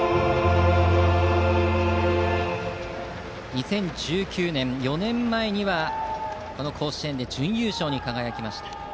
２０１９年４年前にこの甲子園で準優勝に輝きました。